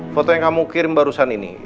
foto yang kamu kirim barusan ini